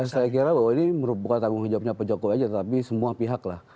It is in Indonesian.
saya kira bahwa ini bukan tanggung jawabnya pak jokowi aja tapi semua pihak lah